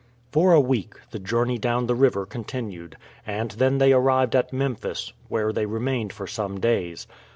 For a week the journey down the river continued, and then they arrived at Memphis, where they remained for some days.